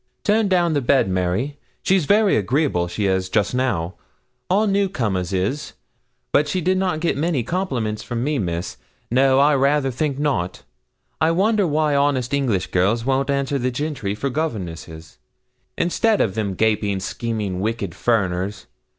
'Turn down the bed, Mary. She's very agreeable she is, just now all new comers is; but she did not get many compliments from me, Miss no, I rayther think not. I wonder why honest English girls won't answer the gentry for governesses, instead of them gaping, scheming, wicked furriners?